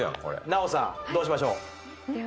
奈緒さんどうしましょう？